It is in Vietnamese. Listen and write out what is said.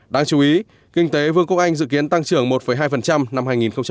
đáng chú ý kinh tế vương quốc anh dự kiến tăng trưởng một hai năm hai nghìn hai mươi